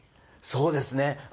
そうですね。